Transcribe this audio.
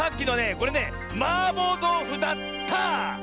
これねマーボーどうふだった！